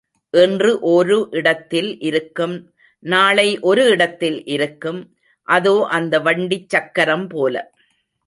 இன்று ஒரு இடத்தில் இருக்கும், நாளை ஒரு இடத்தில் இருக்கும் அதோ அந்த வண்டிச் சக்கரம் போல.